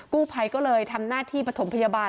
กู้ภัยก็เลยทำหน้าที่ปฐมพยาบาล